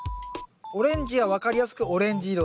オレンジは分かりやすくオレンジ色。